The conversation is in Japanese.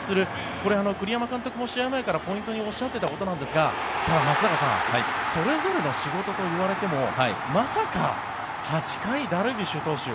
これ、栗山監督も試合前からポイントにおっしゃっていたことなんですが松坂さんそれぞれの仕事といわれてもまさか、８回、ダルビッシュ投手